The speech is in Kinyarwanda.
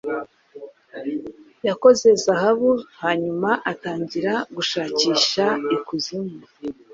Yakoze zahabu hanyuma atangira gushakisha ikuzimu